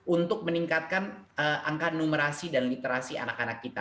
untuk meningkatkan angka numerasi dan literasi anak anak kita